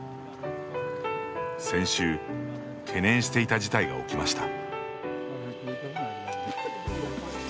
先週懸念していた事態が起きました。